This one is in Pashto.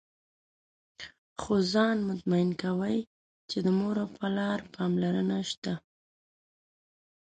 خو ځان مطمئن کوي چې د مور او پلار پاملرنه شته.